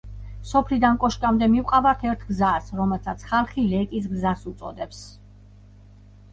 სოფლიდან კოშკამდე მივყავართ ერთ გზას, რომელსაც ხალხი „ლეკის გზას“ უწოდებს.